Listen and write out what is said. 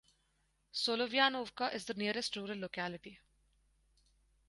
Solovyanovka is the nearest rural locality.